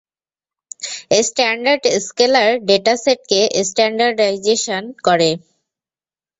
Standard scaler ডেটাসেটকে standardisation করে।